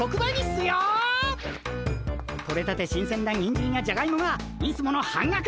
取れたて新鮮なにんじんやじゃがいもがいつもの半額！